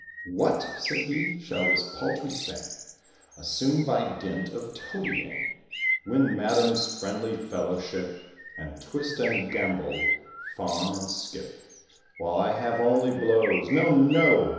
"What!" said he, "shall this paltry thing Assume by dint of toadying, Win Madam's friendly fellowship, And twist and gambol, fawn and skip, While I have only blows? no, no!